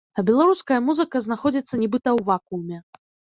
А беларуская музыка знаходзіцца нібыта ў вакууме.